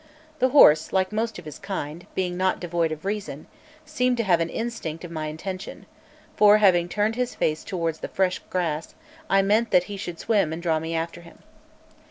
The horse, like most of his kind, being not devoid of reason, seemed to have an instinct of my intention; for having turned his face towards the fresh grass, I meant that he should swim and draw me after him.